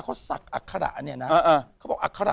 โอเคครับ